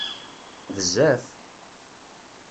Bezzaf!